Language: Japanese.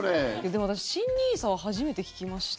でも私、新ＮＩＳＡは初めて聞きました。